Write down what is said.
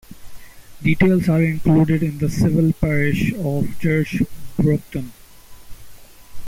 Details are included in the civil parish of Church Broughton.